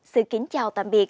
xin kính chào tạm biệt